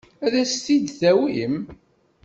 Ad as-t-id-tawim?